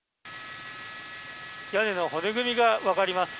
屋根の骨組みが分かります。